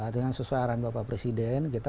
dengan sesuai arahan bapak presiden kita